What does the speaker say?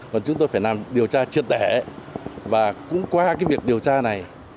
còn chúng tôi phải làm điều tra triệt đẻ và cũng qua cái việc điều tra này